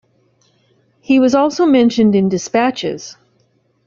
He was also mentioned in dispatches.